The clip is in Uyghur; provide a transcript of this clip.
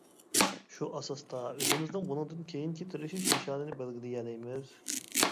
شۇ ئاساستا ئۆزىمىزنىڭ بۇنىڭدىن كېيىنكى تىرىشىش نىشانىنى بەلگىلىيەلەيمىز.